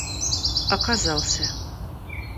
оказался